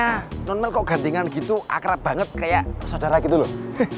karena non kok gantingan gitu akrab banget kayak saudara gitu loh